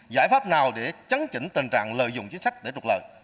giải pháp nào để chấn chỉnh tình trạng lợi dụng chính sách để trục lợi